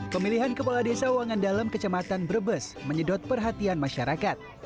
pemilihan kepala desa wangandalem kecamatan brebes menyedot perhatian masyarakat